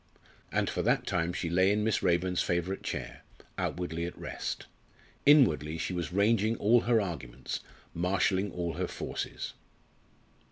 And for that time she lay in Miss Raeburn's favourite chair, outwardly at rest. Inwardly she was ranging all her arguments, marshalling all her forces.